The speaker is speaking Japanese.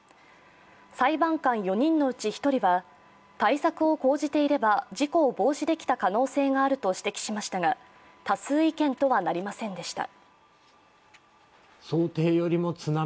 裁判官４人のうち１人は、対策を講じていれば事故を防止できた可能性があると指摘しましたが多数意見とはなりませんでした。